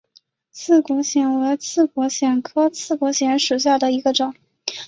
刺果藓为刺果藓科刺果藓属下的一个种。